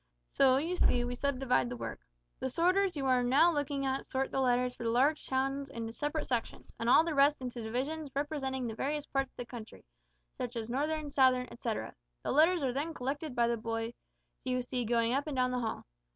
So, you see, we subdivide the work. The sorters you are now looking at sort the letters for the large towns into separate sections, and all the rest into divisions representing the various parts of the country, such as northern, southern, etcetera. The letters are then collected by the boys you see going up and down the hall."